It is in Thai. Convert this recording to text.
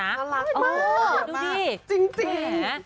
น่ารักมากจริง